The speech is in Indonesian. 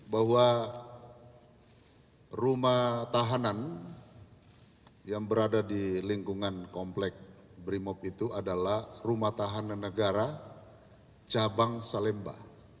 bahwa rumah tahanan yang berada di lingkungan komplek brimob itu adalah rumah tahanan negara cabang salemba